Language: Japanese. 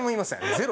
ゼロ。